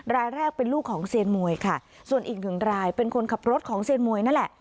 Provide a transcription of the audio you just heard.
รายแรกเป็นลูกของเซียนมวยค่ะส่วนอีกหนึ่งรายเป็นคนขับรถของเซียนมวยนั่นแหละ